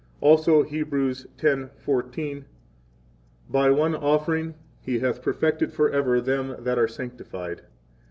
Also, Hebrews 10:14: 27 By one offering He hath perfected forever them that are sanctified.